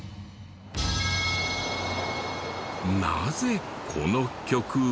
なぜこの曲を？